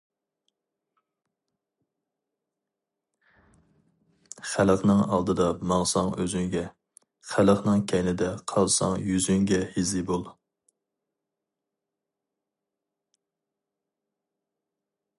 خەقنىڭ ئالدىدا ماڭساڭ ئۆزۈڭگە، خەقنىڭ كەينىدە قالساڭ يۈزۈڭگە ھېزى بول.